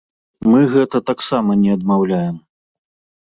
Мы гэта таксама не адмаўляем.